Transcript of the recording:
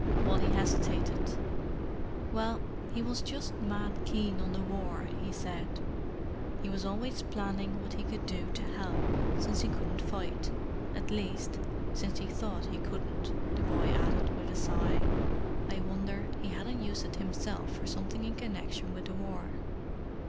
Wally hesitated. "Well, he was just mad keen on the War," he said. "He was always planning what he could do to help, since he couldn't fight,—at least, since he thought he couldn't," the boy added with a sigh. "I wonder he hadn't used it himself for something in connexion with the War."